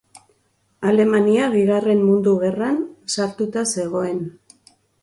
Alemania Bigarren Mundu Gerran sartuta zegoen.